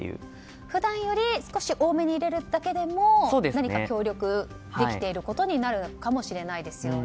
普段より少し多めに入れるだけでも何か協力できていることになるかもしれないですよね。